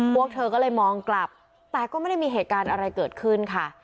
พวกเธอก็เลยมองกลับแต่ก็ไม่ได้มีเหตุการณ์อะไรเกิดขึ้นค่ะ